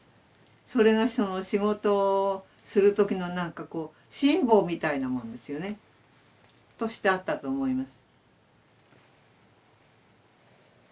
それが仕事をする時のなんかこう心棒みたいなもんですよね。としてあったと思います。